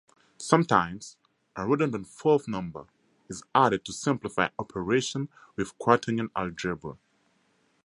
Sometimes a redundant fourth number is added to simplify operations with quaternion algebra.